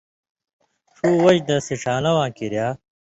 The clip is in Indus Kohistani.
ݜُو وجہۡ نہ سِڇھان٘لہ واں کِریا